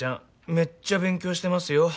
めっちゃ勉強してますよ